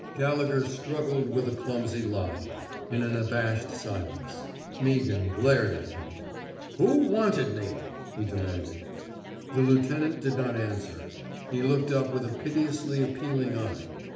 '' Gallegher struggled with a clumsy lie, in an abashed silence. Meaghan glared at him. ^* Who wanted me! '' he demanded. The lieutenant did not answer; he looked up with a piteously appealing eye.